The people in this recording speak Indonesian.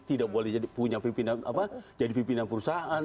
tidak boleh jadi pimpinan perusahaan